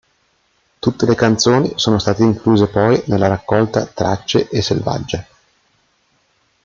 Tutte le canzoni sono state incluse poi nelle raccolte "Tracce" e "Selvaggia".